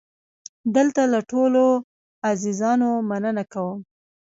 دلته له ټولو عزیزانو مننه کوم.